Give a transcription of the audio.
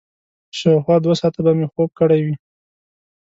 شاوخوا دوه ساعته به مې خوب کړی وي.